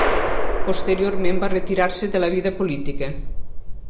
Posteriorment va retirar-se de la vida política.